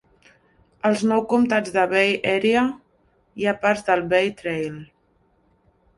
Als nou comtats de Bay Area hi ha parts del Bay Trail.